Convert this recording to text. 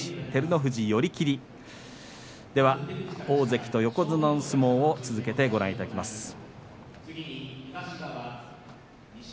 大関と横綱の相撲を続けてご覧いただきます。